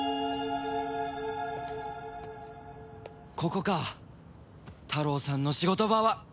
ここかタロウさんの仕事場は！